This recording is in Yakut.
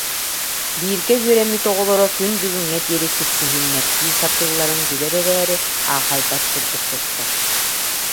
Бииргэ үөрэммит оҕолоро күн бүгүҥҥэ диэри тиксиһиннэртии сатыылларын билэр эрээри, аахайбат курдук туттар